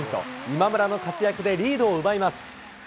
今村の活躍でリードを奪います。